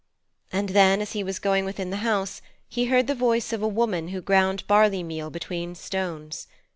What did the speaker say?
And then, as he was going within the house, he heard the voice of a woman who ground barley meal between stones.